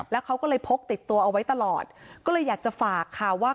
แล้วเขาก็เลยพกติดตัวเอาไว้ตลอดก็เลยอยากจะฝากค่ะว่า